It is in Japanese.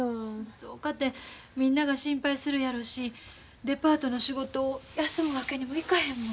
そうかてみんなが心配するやろしデパートの仕事休むわけにもいかへんもん。